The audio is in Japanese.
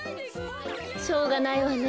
しょうがないわね。